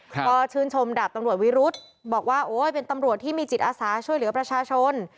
ก็ชื่นชมดาบตำรวจวิรุธบอกว่าโอ้ยเป็นตำรวจที่มีจิตอาสาช่วยเหลือประชาชน